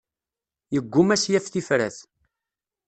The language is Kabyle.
Yesguma ad s-yaf tifrat.